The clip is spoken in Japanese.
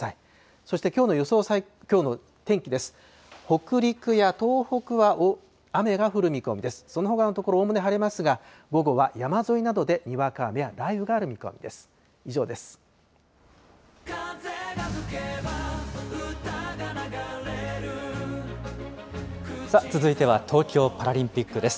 そのほかの所おおむね晴れますが、午後は山沿いなどでにわか雨や雷雨がある見込みです。